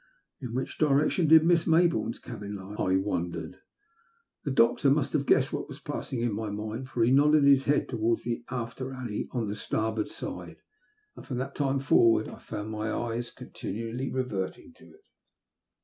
In which direction did Miss Mayboume's cabin lie, I wondered. The doctor must have guessed what was passing in my mind, for he nodded his head towards the after alley on the starboard side, and from that time forward I found my eyes continually reverting to it.